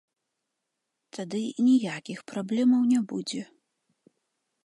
Тады ніякіх праблемаў не будзе.